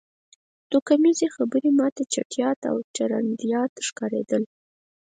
توکمیزې خبرې ما ته چټیات او چرندیات ښکارېدل